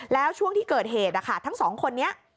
แล้วช่วงที่เกิดเหตุทั้งสองคนนี้